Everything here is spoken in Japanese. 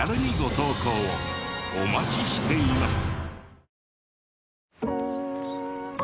お待ちしています。